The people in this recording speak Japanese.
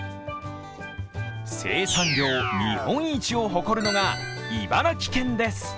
生産量日本一を誇るのが茨城県です。